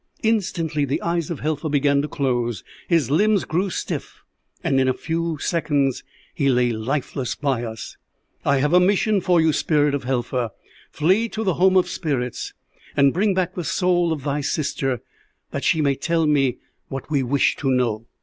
"Instantly the eyes of Helfa began to close; his limbs grew stiff, and in a few seconds he lay lifeless by us. "'I have a mission for you, spirit of Helfa. Flee to the home of spirits, and bring back the soul of thy sister, that she may tell me what we wish to know.'